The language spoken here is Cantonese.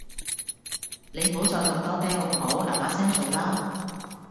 你唔好再咁多嗲好唔好，嗱嗱聲做啦